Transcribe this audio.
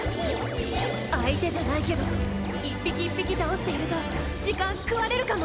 相手じゃないけど一匹一匹倒していると時間食われるかも。